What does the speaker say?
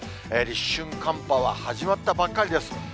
立春寒波は始まったばっかりです。